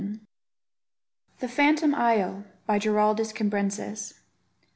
THE PHANTOM ISLE. GIRALDUS CAMBRENSIS.